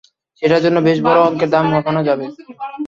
সেটার জন্য বেশ বড় অঙ্কের দাম হাঁকানো যাবে।